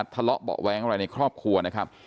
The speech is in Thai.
ทะเลาะเบาะแว้งอะไรในครอบครัวนะครับ